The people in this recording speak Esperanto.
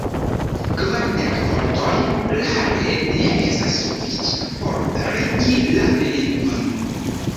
Kvardek vortoj klare ne estas sufiĉa por regi la lingvon.